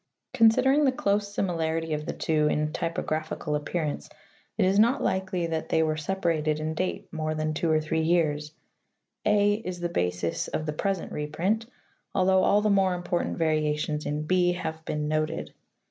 Considering the close similarit}' of the two in typographical appearance it is not likely that they were separated in date more than two or three years, {a) is the basis of the present reprint, although all the more important variations in {h) have been noted.